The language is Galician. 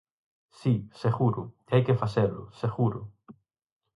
Si, seguro, e hai que facelo, seguro.